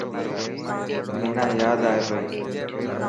منا ياد ائي پئي.